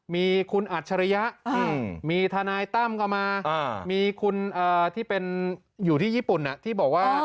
มีคุณอัจฉริยะมีทนายตั้มเข้ามามีคุณที่เป็นอยู่ที่ญี่ปุ่นที่บอกว่า